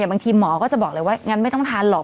บางทีหมอก็จะบอกเลยว่างั้นไม่ต้องทานหรอก